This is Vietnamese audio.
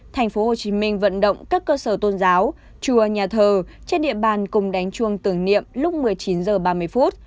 tp hcm vận động các cơ sở tôn giáo chùa nhà thờ trên địa bàn cùng đánh chuông tưởng niệm lúc một mươi chín h ba mươi